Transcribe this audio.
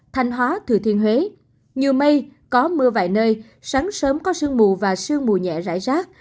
thanh hóa thừa thiên huế nhiều mây có mưa vài nơi sáng sớm có sương mù và sương mù nhẹ rải rác